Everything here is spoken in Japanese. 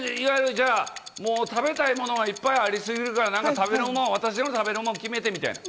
食べたい物がいっぱいありすぎるから、私の食べるものを決めて、みたいな。